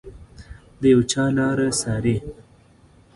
د یو چا لاره څاري